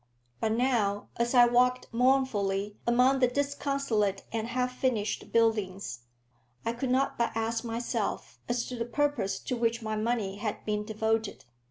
But now, as I walked mournfully among the disconsolate and half finished buildings, I could not but ask myself as to the purpose to which my money had been devoted.